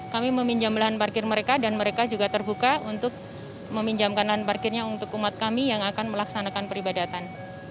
kami meminjam lahan parkir mereka dan mereka juga terbuka untuk meminjamkan lahan parkirnya untuk umat kami yang akan melaksanakan peribadatan